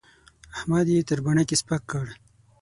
احمد يې تر بڼکې سپک کړ.